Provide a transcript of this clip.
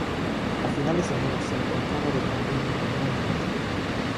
A finales de enero se encontraba defendiendo La Muela de Teruel.